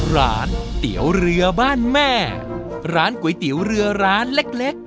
ร้านเตี๋ยวเรือบ้านแม่ร้านก๋วยเตี๋ยวเรือร้านเล็ก